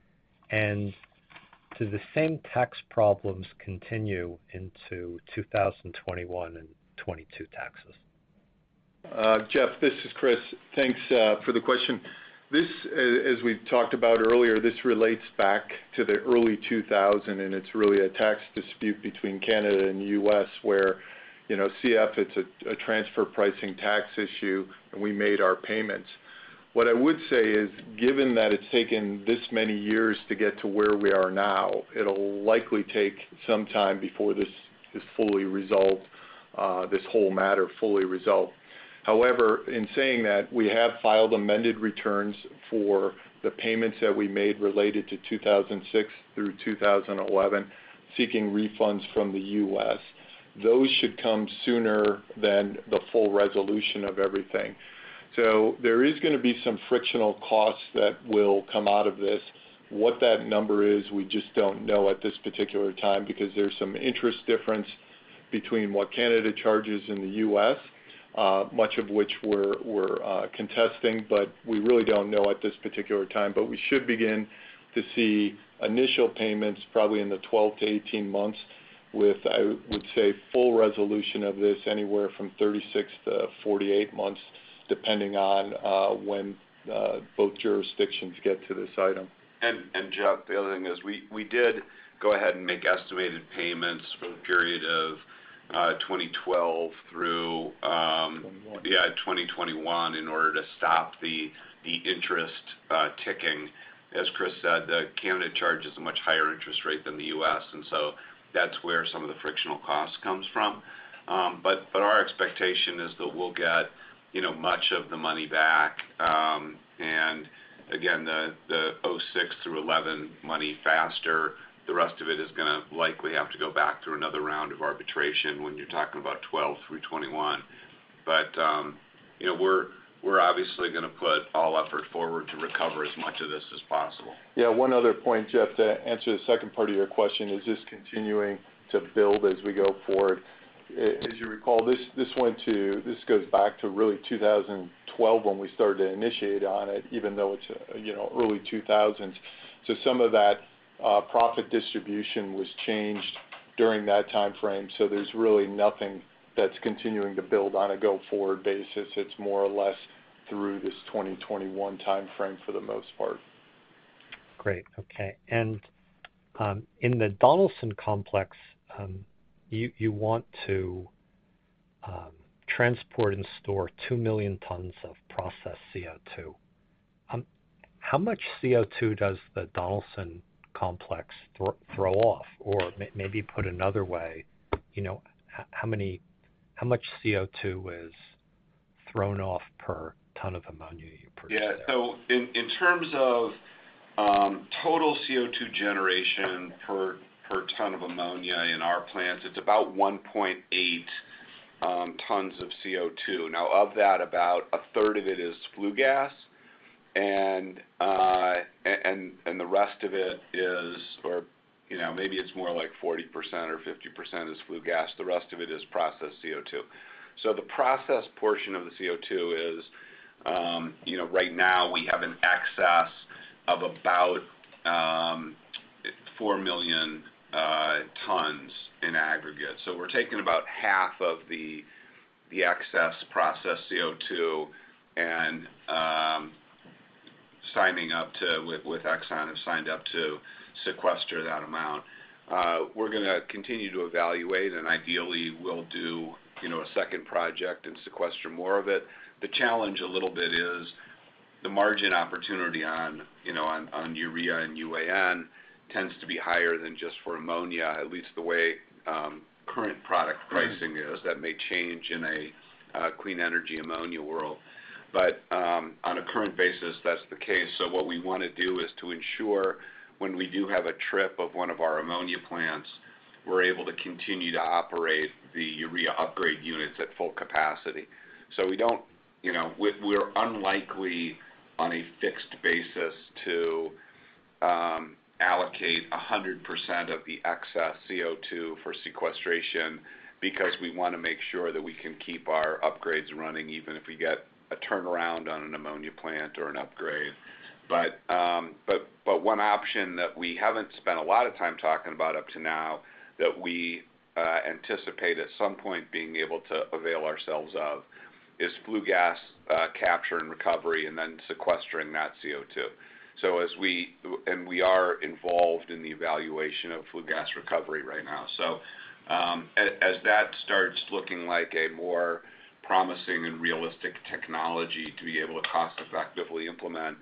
Do the same tax problems continue into 2021 and 2022 taxes? Jeff, this is Chris. Thanks for the question. This, as we've talked about earlier, this relates back to the early 2000, and it's really a tax dispute between Canada and U.S., where, you know, CF, it's a transfer pricing tax issue, and we made our payments. What I would say is, given that it's taken this many years to get to where we are now, it'll likely take some time before this is fully resolved, this whole matter fully resolved. However, in saying that, we have filed amended returns for the payments that we made related to 2006 through 2011, seeking refunds from the U.S. Those should come sooner than the full resolution of everything. There is gonna be some frictional costs that will come out of this. What that number is, we just don't know at this particular time because there's some interest difference between what Canada charges and the U.S., much of which we're contesting, but we really don't know at this particular time. We should begin to see initial payments probably in the 12 months-18 months with, I would say, full resolution of this anywhere from 36 months-48 months, depending on when both jurisdictions get to this item. Jeff, the other thing is we did go ahead and make estimated payments for the period of 2012 through. 21. 2021 in order to stop the interest ticking. As Chris Bohn said, the Canada charge is a much higher interest rate than the U.S., and so that's where some of the frictional cost comes from. Our expectation is that we'll get, you know, much of the money back, and again, the 06-11 money faster. The rest of it is gonna likely have to go back through another round of arbitration when you're talking about 12-21. You know, we're obviously gonna put all effort forward to recover as much of this as possible. Yeah, one other point, Jeff, to answer the second part of your question. Is this continuing to build as we go forward? As you recall, this goes back to really 2012 when we started to initiate on it, even though it's, you know, early 2000s. Some of that profit distribution was changed during that time frame. There's really nothing that's continuing to build on a go-forward basis. It's more or less through this 2021 time frame for the most part. Great. Okay. In the Donaldsonville Complex, you want to transport and store 2 million tons of processed CO2. How much CO2 does the Donaldsonville Complex throw off? Maybe put another way, you know, how much CO2 is thrown off per ton of ammonia you produce there? Yeah. In terms of total CO2 generation per ton of ammonia in our plants, it's about 1.8 tons of CO2. Now of that, about a third of it is flue gas. The rest of it is or, you know, maybe it's more like 40% or 50% is flue gas. The rest of it is processed CO2. The processed portion of the CO2 is, you know, right now we have an excess of about 4 million tons in aggregate. We're taking about half of the excess processed CO2 and with ExxonMobil have signed up to sequester that amount. We're gonna continue to evaluate, and ideally we'll do, you know, a second project and sequester more of it. The challenge a little bit is the margin opportunity on, you know, on urea and UAN tends to be higher than just for ammonia, at least the way current product pricing is. That may change in a clean energy ammonia world. On a current basis, that's the case. What we wanna do is to ensure when we do have a trip of one of our ammonia plants, we're able to continue to operate the urea upgrade units at full capacity. We don't. We're unlikely on a fixed basis to allocate 100% of the excess CO2 for sequestration because we wanna make sure that we can keep our upgrades running even if we get a turnaround on an ammonia plant or an upgrade. One option that we haven't spent a lot of time talking about up to now that we anticipate at some point being able to avail ourselves of is flue gas capture and recovery and then sequestering that CO2. As we are involved in the evaluation of flue gas recovery right now. As that starts looking like a more promising and realistic technology to be able to cost effectively implement,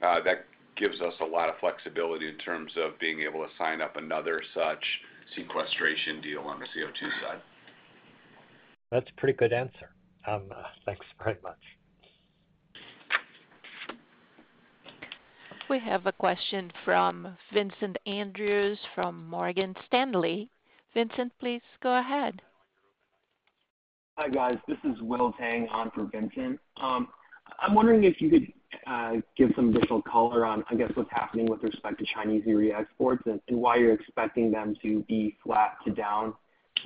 that gives us a lot of flexibility in terms of being able to sign up another such sequestration deal on the CO2 side. That's a pretty good answer. Thanks very much. We have a question from Vincent Andrews from Morgan Stanley. Vincent, please go ahead. Hi, guys. This is Will Tang on for Vincent. I'm wondering if you could give some additional color on what's happening with respect to Chinese urea exports and why you're expecting them to be flat to down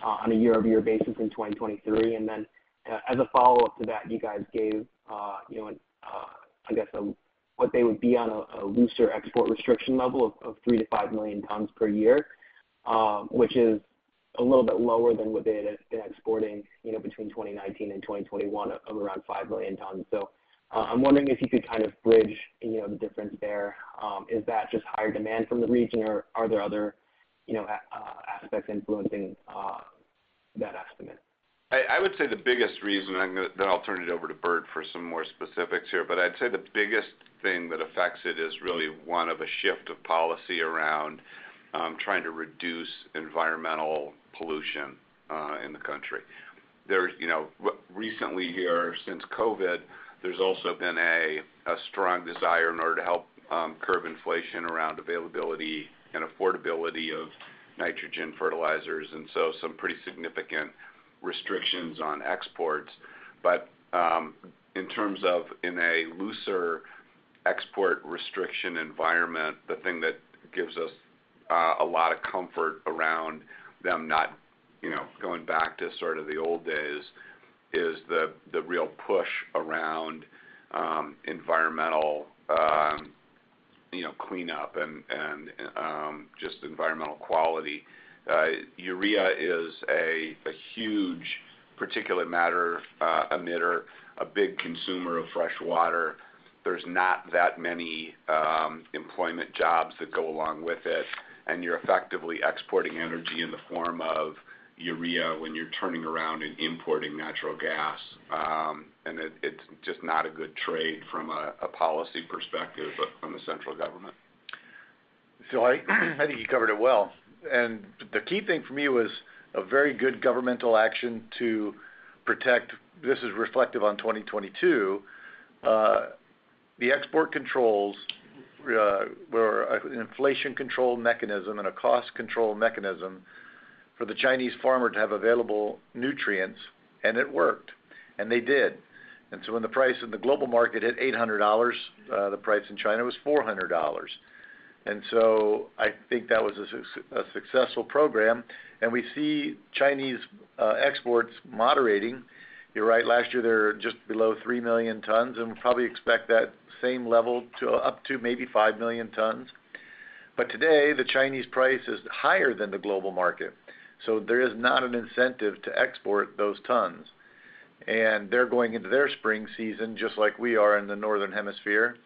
on a year-over-year basis in 2023. As a follow-up to that, you guys gave what they would be on a looser export restriction level of 3 million-5 million tons per year, which is a little bit lower than what they had been exporting, you know, between 2019 and 2021 of around 5 million tons. I'm wondering if you could kind of bridge, you know, the difference there. Is that just higher demand from the region, or are there other, you know, aspects influencing? that estimate? I would say the biggest reason, and then I'll turn it over to Bert for some more specifics here. I'd say the biggest thing that affects it is really one of a shift of policy around trying to reduce environmental pollution in the country. There's, you know, recently here since COVID, there's also been a strong desire in order to help curb inflation around availability and affordability of nitrogen fertilizers, and so some pretty significant restrictions on exports. In terms of in a looser export restriction environment, the thing that gives us a lot of comfort around them not, you know, going back to sort of the old days is the real push around environmental, you know, cleanup and just environmental quality. urea is a huge particulate matter emitter, a big consumer of fresh water. There's not that many employment jobs that go along with it, and you're effectively exporting energy in the form of urea when you're turning around and importing natural gas. It's just not a good trade from a policy perspective from the central government. I think you covered it well. The key thing for me was a very good governmental action to protect. This is reflective on 2022. The export controls were an inflation control mechanism and a cost control mechanism for the Chinese farmer to have available nutrients, and it worked, and they did. When the price in the global market hit $800, the price in China was $400. I think that was a successful program. We see Chinese exports moderating. You're right. Last year, they were just below 3 million tons, and we probably expect that same level to up to maybe 5 million tons. Today, the Chinese price is higher than the global market. There is not an incentive to export those tons. They're going into their spring season just like we are in the Northern Hemisphere,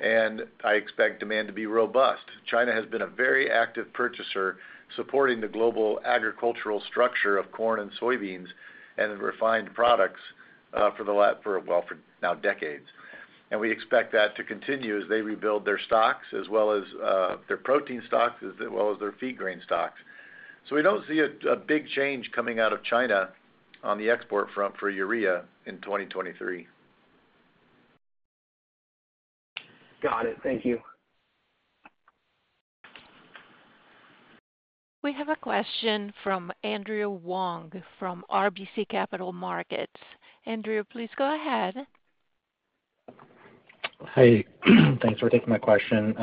and I expect demand to be robust. China has been a very active purchaser supporting the global agricultural structure of corn and soybeans and in refined products, well, for now decades. We expect that to continue as they rebuild their stocks as well as their protein stocks, as well as their feed grain stocks. We don't see a big change coming out of China on the export front for urea in 2023. Got it. Thank you. We have a question from Andrew Wong from RBC Capital Markets. Andrew, please go ahead. Hey, thanks for taking my question.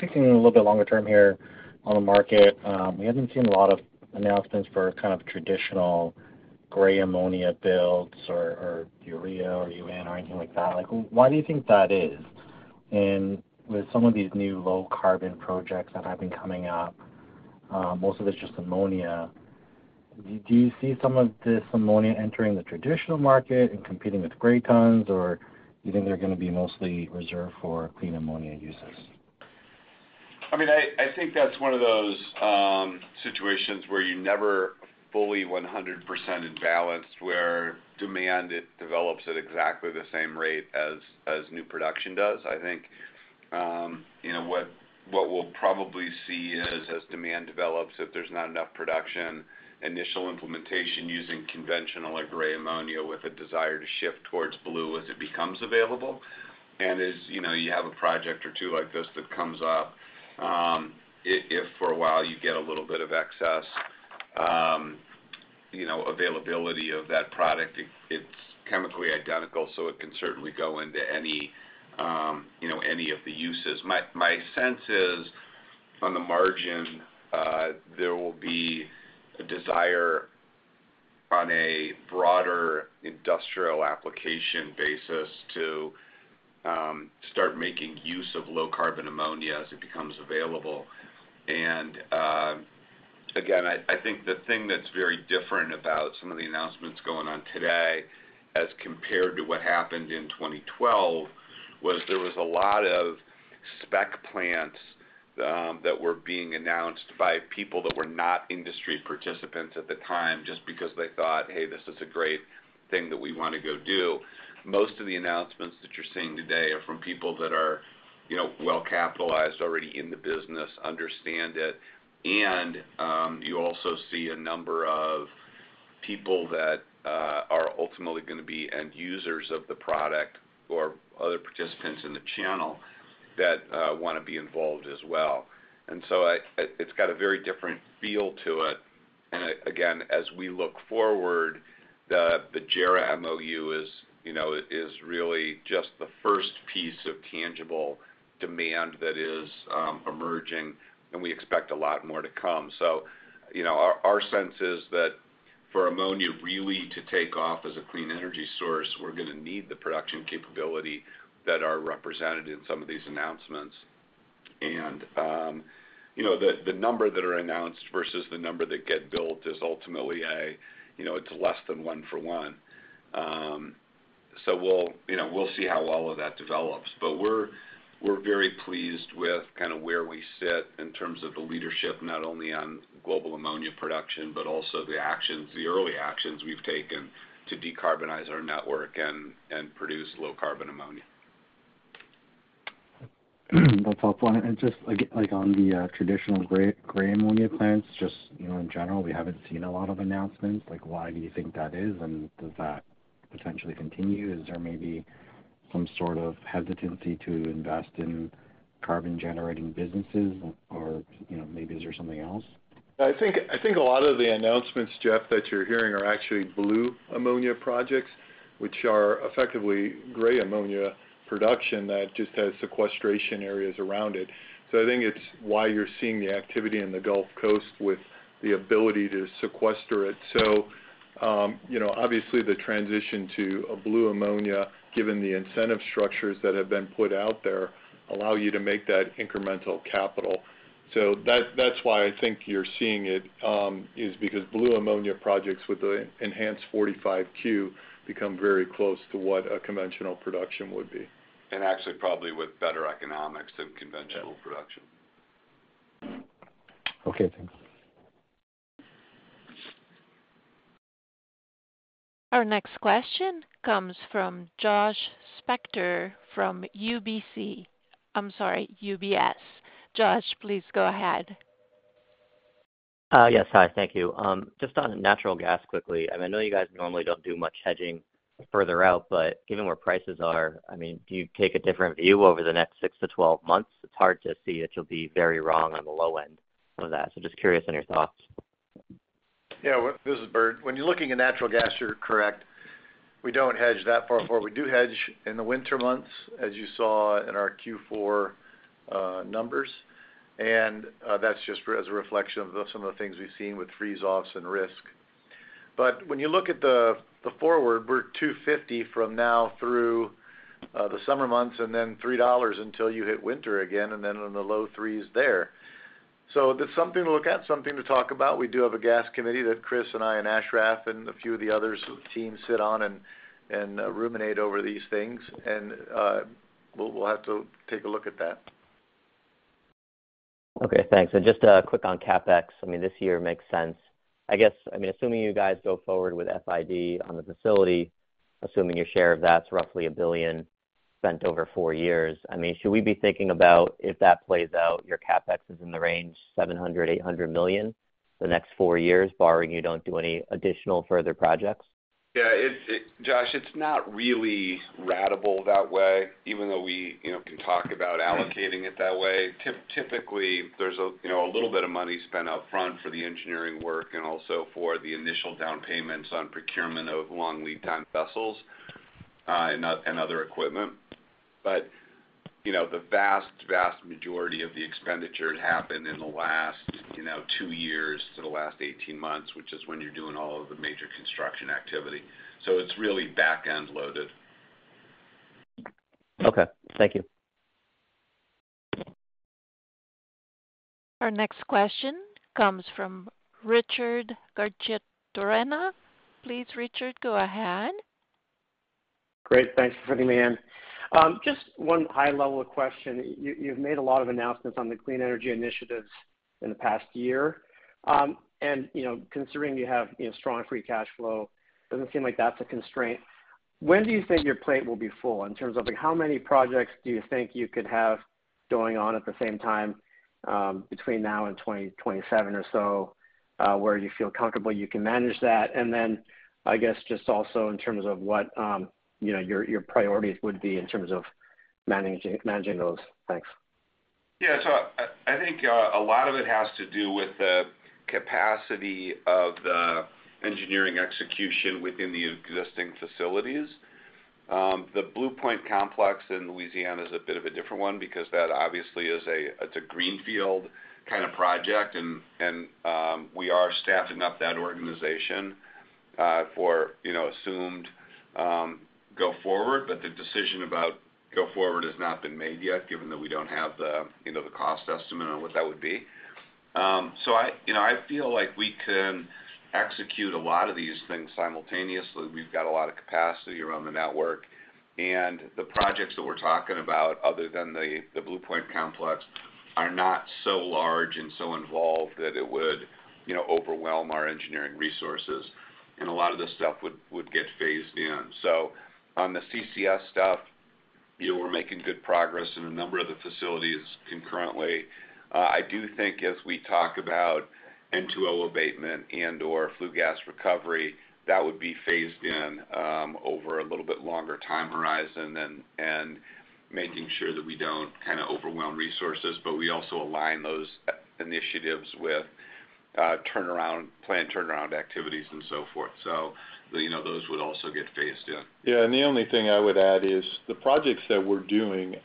Thinking a little bit longer term here on the market, we haven't seen a lot of announcements for kind of traditional gray ammonia buds or urea or UAN or anything like that. Like, why do you think that is? With some of these new low-carbon projects that have been coming up, most of it's just ammonia. Do you see some of this ammonia entering the traditional market and competing with gray tons, or you think they're gonna be mostly reserved for clean ammonia uses? I mean, I think that's one of those situations where you never fully 100% in balance where demand develops at exactly the same rate as new production does. I think, you know, what we'll probably see is as demand develops, if there's not enough production, initial implementation using conventional like gray ammonia with a desire to shift towards blue ammonia as it becomes available. And as you know, you have a project or two like this that comes up, if for a while you get a little bit of excess, you know, availability of that product, it's chemically identical, so it can certainly go into any, you know, any of the uses. My sense is on the margin, there will be a desire on a broader industrial application basis to start making use of low-carbon ammonia as it becomes available. Again, I think the thing that's very different about some of the announcements going on today as compared to what happened in 2012 was there was a lot of spec plants that were being announced by people that were not industry participants at the time just because they thought, "Hey, this is a great thing that we wanna go do." Most of the announcements that you're seeing today are from people that are, you know, well-capitalized already in the business, understand it. You also see a number of people that are ultimately gonna be end users of the product or other participants in the channel that wanna be involved as well. It's got a very different feel to it. Again, as we look forward, the JERA MOU is, you know, is really just the first piece of tangible demand that is emerging, and we expect a lot more to come. You know, our sense is that for Ammonia really to take off as a clean energy source, we're gonna need the production capability that are represented in some of these announcements. You know, the number that are announced versus the number that get built is ultimately a, you know, it's less than one for one. We'll, you know, we'll see how all of that develops. We're very pleased with kind of where we sit in terms of the leadership, not only on global Ammonia production, but also the actions, the early actions we've taken to decarbonize our network and produce low-carbon Ammonia. That's helpful. Just like on the traditional gray ammonia plants, just, you know, in general, we haven't seen a lot of announcements. Like, why do you think that is? Does that potentially continue? Is there maybe some sort of hesitancy to invest in carbon-generating businesses or, you know, maybe is there something else? I think a lot of the announcements, Jeff, that you're hearing are actually blue ammonia projects, which are effectively gray ammonia production that just has sequestration areas around it. I think it's why you're seeing the activity in the Gulf Coast with the ability to sequester it. You know, obviously the transition to a blue ammonia, given the incentive structures that have been put out there, allow you to make that incremental capital. That's why I think you're seeing it, is because blue ammonia projects with the enhanced Section 45Q become very close to what a conventional production would be. Actually probably with better economics than conventional production. Okay. Thanks. Our next question comes from Josh Spector from UBS. I'm sorry, UBS. Josh, please go ahead. Yes. Hi. Thank you. Just on natural gas quickly. I mean, I know you guys normally don't do much hedging further out, but given where prices are, I mean, do you take a different view over the next six to 12 months? It's hard to see it'll be very wrong on the low end of that. Just curious on your thoughts. Yeah. This is Bert. When you're looking at natural gas, you're correct. We don't hedge that far forward. We do hedge in the winter months, as you saw in our Q4 numbers. That's just as a reflection of some of the things we've seen with freeze-offs and risk. When you look at the forward, we're $2.50 from now through the summer months and then $3.00 until you hit winter again, and then in the low $3s there. That's something to look at, something to talk about. We do have a gas committee that Chris and I and Ashraf and a few of the others teams sit on and ruminate over these things. We'll have to take a look at that. Okay, thanks. Just quick on CapEx. I mean, this year makes sense. I mean, assuming you guys go forward with FID on the facility, assuming your share of that's roughly $1 billion spent over four years, I mean, should we be thinking about if that plays out, your CapEx is in the range $700 million-$800 million the next four years, barring you don't do any additional further projects? Yeah, Josh, it's not really ratable that way, even though we, you know, can talk about allocating it that way. Typically, there's a, you know, a little bit of money spent up front for the engineering work and also for the initial down payments on procurement of long lead time vessels and other equipment. You know, the vast majority of the expenditure had happened in the last, you know, two years to the last 18 months, which is when you're doing all of the major construction activity. It's really back-end loaded. Okay, thank you. Our next question comes from Richard Garchitorena. Please, Richard, go ahead. Great. Thanks for putting me in. Just one high-level question. You've made a lot of announcements on the clean energy initiatives in the past year. You know, considering you have, you know, strong free cash flow, doesn't seem like that's a constraint. When do you think your plate will be full in terms of like, how many projects do you think you could have going on at the same time, between now and 2027 or so, where you feel comfortable you can manage that? I guess just also in terms of what, you know, your priorities would be in terms of managing those. Thanks. I think, a lot of it has to do with the capacity of the engineering execution within the existing facilities. The Blue Point Complex in Louisiana is a bit of a different one because that obviously it's a greenfield kinda project, and, we are staffing up that organization, for, you know, assumed, go forward. The decision about go forward has not been made yet, given that we don't have the, you know, the cost estimate on what that would be. I, you know, I feel like we can execute a lot of these things simultaneously. We've got a lot of capacity around the network. The projects that we're talking about, other than the Blue Point Complex, are not so large and so involved that it would, you know, overwhelm our engineering resources, and a lot of this stuff would get phased in. On the CCS stuff, you know, we're making good progress in a number of the facilities concurrently. I do think as we talk about N2O abatement and/or flue gas recovery, that would be phased in over a little bit longer time horizon and making sure that we don't kinda overwhelm resources, but we also align those initiatives with plan turnaround activities and so forth. You know, those would also get phased in. Yeah. The only thing I would add is the projects that we're doing,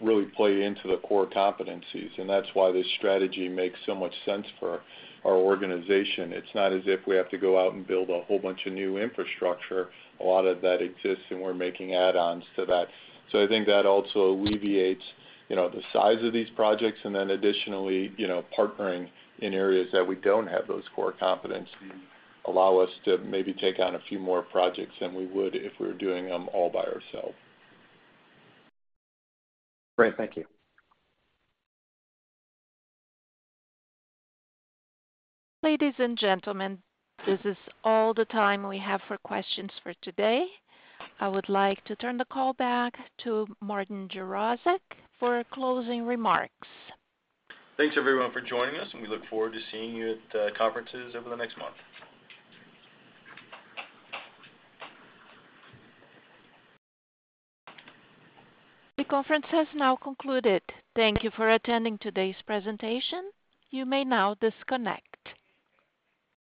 really play into the core competencies, and that's why this strategy makes so much sense for our organization. It's not as if we have to go out and build a whole bunch of new infrastructure. A lot of that exists, and we're making add-ons to that. I think that also alleviates, you know, the size of these projects, and then additionally, you know, partnering in areas that we don't have those core competencies allow us to maybe take on a few more projects than we would if we were doing them all by ourselves. Great. Thank you. Ladies and gentlemen, this is all the time we have for questions for today. I would like to turn the call back to Martin Jarosick for closing remarks. Thanks, everyone, for joining us. We look forward to seeing you at conferences over the next month. The conference has now concluded. Thank you for attending today's presentation. You may now disconnect.